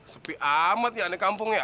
sepi amat ya ini kampungnya